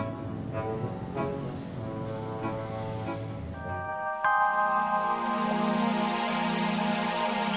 oh ini dia